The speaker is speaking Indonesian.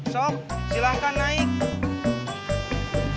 sok silahkan naik